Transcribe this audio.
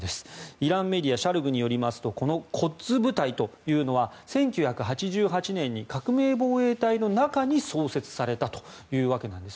イランメディアシャルグによりますとこのコッズ部隊というのは１９８８年に革命防衛隊の中に創設されたというわけです。